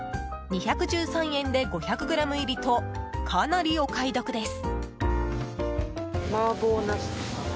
２１３円で５００ｇ入りとかなりお買い得です。